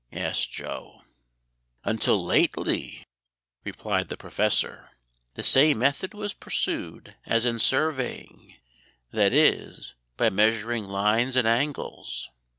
asked Joe. "Until lately," replied the Professor, "the same method was pursued as in surveying, that is, by measuring lines and angles.